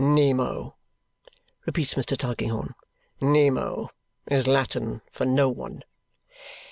"Nemo!" repeats Mr. Tulkinghorn. "Nemo is Latin for no one."